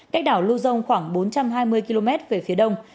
cách đảo lưu dông khoảng bốn trăm hai mươi km về phía đông